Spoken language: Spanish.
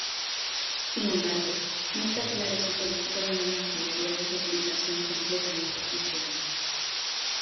Sin embargo, no está claro si codifican una maquinaria de replicación completamente funcional.